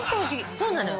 そうなのよ。